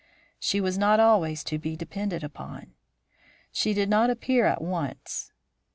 She was not always to be depended upon. "She did not appear at once.